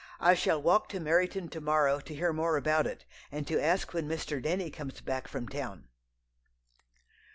I shall walk to Meryton to morrow to hear more about it, and to ask when Mr. Denny comes back from town.'